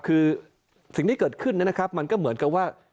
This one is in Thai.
คือสิ่งที่เกิดขึ้นนะครับมันก็เหมือนกับว่า